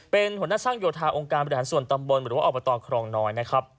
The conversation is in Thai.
เป็นหัวหน้าช่างโยธาองค์การบริษัทสวนตำบลหรือออบตครองน้อย